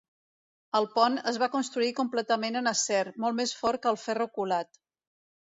El pont es va construir completament en acer, molt més fort que el ferro colat.